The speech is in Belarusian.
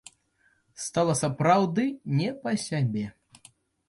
Стала сапраўдны не па сябе.